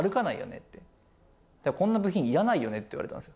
って、こんな部品いらないよね？って言われたんですよ。